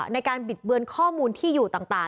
บิดเบือนข้อมูลที่อยู่ต่าง